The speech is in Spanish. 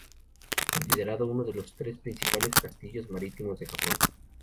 Es considerado uno de los tres principales castillos marítimos de Japón.